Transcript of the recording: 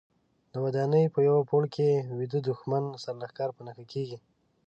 د ودانۍ په یوه پوړ کې ویده دوښمن سرلښکر په نښه کېږي.